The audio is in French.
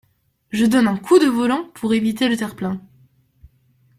Je donne un coup de volant pour éviter le terre-plein.